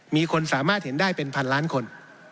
มีคนสามารถเห็นได้เป็นพันล้านคน